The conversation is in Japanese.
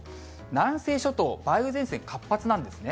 南西諸島、梅雨前線活発なんですね。